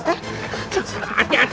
hati hati ini tangga